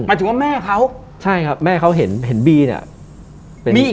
หมายถึงว่าแม่เขาใช่ครับแม่เขาเห็นบีนี่